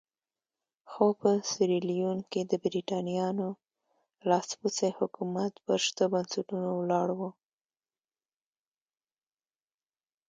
خو په سیریلیون کې د برېټانویانو لاسپوڅی حکومت پر شته بنسټونو ولاړ وو.